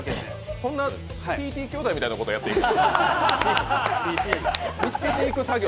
そんなＴＴ兄弟みたいなことやっているの？